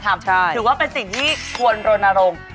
ถือว่าเป็นสิ่งที่ควรรณรงค์